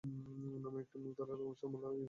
নামে একটি মূল ধারার অনুষ্ঠানমালা এবং ইয়াহু!